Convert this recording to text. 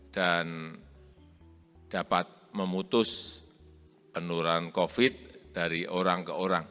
dan dapat memutus penurunan covid sembilan belas dari orang ke orang